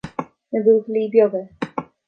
Na buachaillí beaga